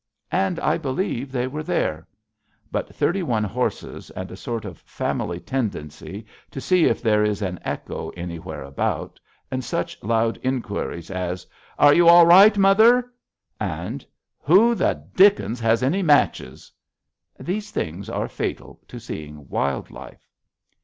And I believe they were there. But thirty one horses and a sort of family tendency to see if there is an echo anywhere about, and such loud inquiries as, "Are you all right, mother?" and "Who the dickens has any matches?" these things are fatal to seeing wild life.